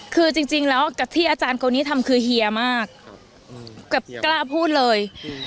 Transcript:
คือจริงแล้วกับที่อาจารย์คนนี้ทำคือเฮียมากกับกล้าพูดเลย